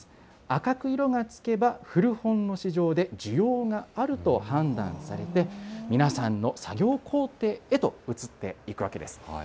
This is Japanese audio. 赤く色がつけば古本の市場で需要があると判断されて、皆さんの作業工程へと移っていくわけです。